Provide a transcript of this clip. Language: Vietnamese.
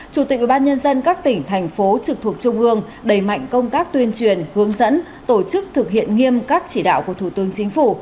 chủ tịch ubnd các tỉnh thành phố trực thuộc trung ương đẩy mạnh công tác tuyên truyền hướng dẫn tổ chức thực hiện nghiêm các chỉ đạo của thủ tướng chính phủ